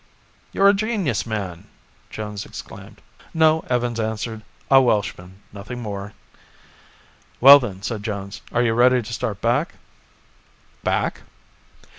"You're a genius, man!" Jones exclaimed. "No," Evans answered, "a Welshman, nothing more." "Well, then," said Jones, "are you ready to start back?" "Back?"